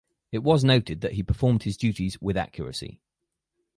It was noted that he performed his duties with accuracy.